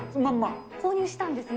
購入したんですね。